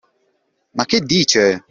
Ma che dice!